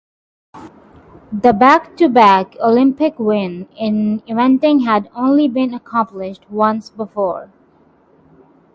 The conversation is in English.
The back-to-back Olympic win in eventing had only been accomplished once before.